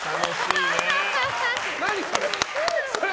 何それ？